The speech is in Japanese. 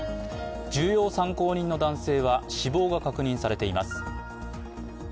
重要参考人の男性は死亡が確認されています。